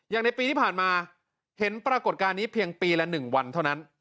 อย่างในปีที่ผ่านมาเห็นปรากฏการณ์นี้เพียงปีละ๑วันเท่านั้น